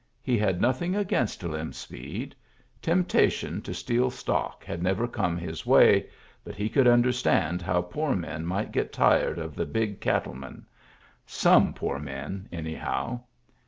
He had nothing against Lem Speed. Temptation to steal stock had never come his way, but he could understand how poor men might get tired of the big cattlemen — some poor men, anyhow.